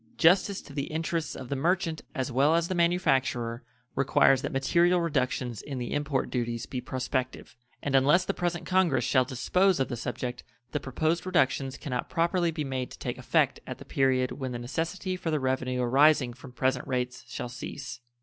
Justice to the interests of the merchant as well as the manufacturer requires that material reductions in the import duties be prospective; and unless the present Congress shall dispose of the subject the proposed reductions can not properly be made to take effect at the period when the necessity for the revenue arising from present rates shall cease.